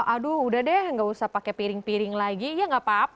aduh udah deh nggak usah pakai piring piring lagi ya nggak apa apa